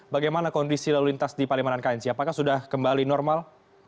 bagaimana kondisi lalu lintas di palimanan knc apakah sudah kembali normal